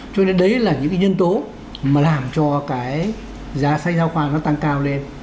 cho nên đấy là những cái nhân tố mà làm cho cái giá sách giáo khoa nó tăng cao lên